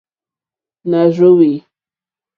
Nà rzóhwè.